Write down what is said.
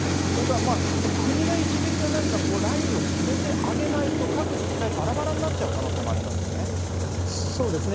もう国が一律で何かラインを決めてあげないと、各自治体ばらばらになっちゃう可能性ありますよね。